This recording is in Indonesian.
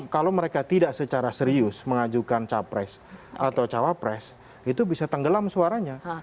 kalau mereka tidak secara serius mengajukan capres atau cawapres itu bisa tenggelam suaranya